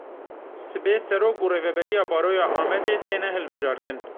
Sibê Serok û Rêveberiya Baroya Amedê têne hilbijartin.